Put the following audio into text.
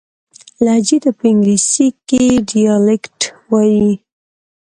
لهجې ته په انګلیسي کښي Dialect وایي.